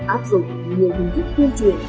áp dụng nhiều hình thức tuyên truyền